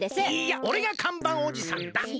いやおれが看板おじさんだ！